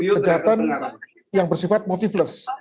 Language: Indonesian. kejahatan yang bersifat motifless